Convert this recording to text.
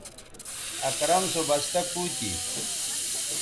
اکرم سو بستہ کُو تھی